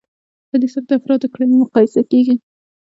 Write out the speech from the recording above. په دې سره د افرادو کړنې مقایسه کیږي.